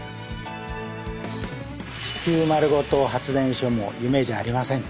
地球まるごと発電所も夢じゃありません。